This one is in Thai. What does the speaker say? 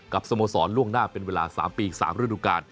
สโมสรล่วงหน้าเป็นเวลา๓ปี๓ฤดูการ